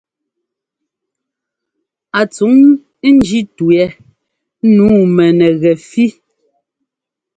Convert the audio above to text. A tsuŋ ńjí tu yɛ. Nǔu mɛnɛgɛfí.